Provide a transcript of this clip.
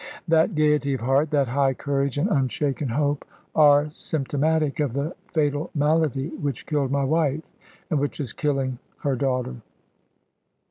That gaiety of heart, that high courage and unshaken hope, are symptomatic of the fatal malady which killed my wife, and which is killing her daughter."